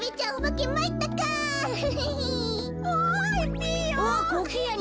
ピーヨン。